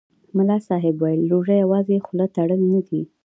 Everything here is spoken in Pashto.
ملا صاحب ویل: روژه یوازې خوله تړل نه دي.